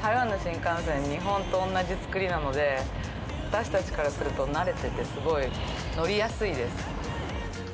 台湾の新幹線は日本と同じ造りなので、私たちからすると慣れてて、すごい乗りやすいです。